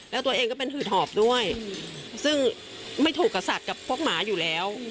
แล้วตัวเองก็เป็นหืดหอบด้วยซึ่งไม่ถูกกับสัตว์กับพวกหมาอยู่แล้ว